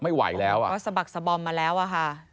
ไม่ใหนไหวแล้วอ่อเขาสบักซบอมมาแล้วอะค่ะ